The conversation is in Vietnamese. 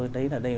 đấy là đây